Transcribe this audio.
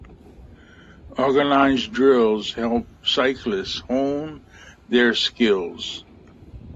Organized drills help cyclists hone their skills.